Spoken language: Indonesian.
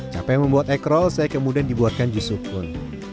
capek membuat egg roll saya kemudian dibuatkan jus sukun